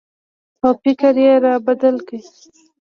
او فکر یې را بدل کړ